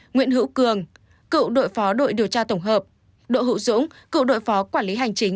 nguyễn hữu cường cựu đội phó đội điều tra tổng hợp đội hữu dũng cựu đội phó quản lý hành chính